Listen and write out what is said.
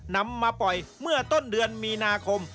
นำมาปล่อยเมื่อต้นเดือนมีนาคม